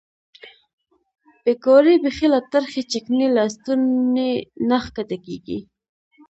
پیکورې بیخي له ترخې چکنۍ له ستوني نه ښکته کېږي.